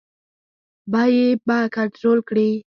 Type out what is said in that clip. بیې به کنټرول کړي.